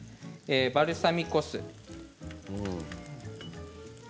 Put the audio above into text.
バルサミコ酢。